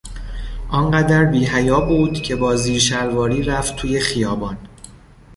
آن قدر بیحیا بود که با زیر شلواری رفت توی خیابان.